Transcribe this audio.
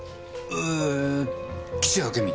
え岸あけみ。